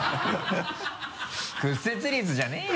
「屈折率」じゃねぇよ。